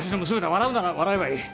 笑うなら笑えばいい。